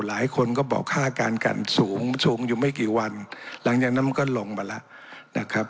หลายคนก็บอกค่าการกันสูงสูงอยู่ไม่กี่วันหลังจากนั้นมันก็ลงมาแล้วนะครับ